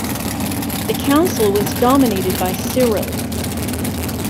The Council was dominated by Cyril.